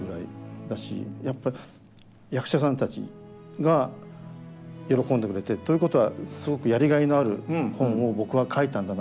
やっぱ役者さんたちが喜んでくれてるということはすごくやりがいのある本を僕は書いたんだな。